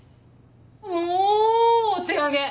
もうお手上げ！